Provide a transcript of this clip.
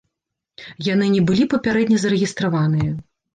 Яны не былі папярэдне зарэгістраваныя.